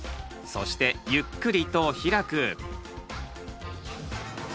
そしてゆっくりと開く。